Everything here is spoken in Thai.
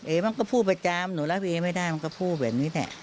มันก็พูดประจำหนูรับเอไม่ได้มันก็พูดแบบนี้แหละ